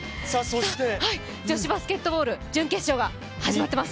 女子バスケットボール準決勝が始まっています。